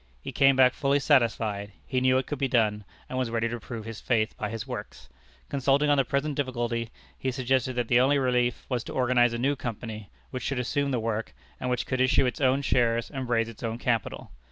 He came back fully satisfied; he knew it could be done, and was ready to prove his faith by his works. Consulting on the present difficulty, he suggested that the only relief was to organize a new Company, which should assume the work, and which could issue its own shares and raise its own capital.